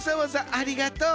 ありがとう。